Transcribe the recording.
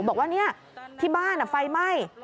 บอกว่าที่บ้านไฟไหม้